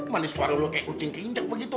mana suara lu kayak kucing keindek begitu